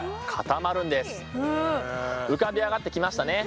浮かび上がってきましたね。